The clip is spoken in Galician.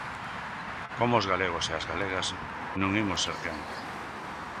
Como os galegos e as galegas non imos ser quen?